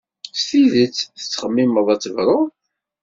S tidet tettxemmimeḍ ad tebruḍ?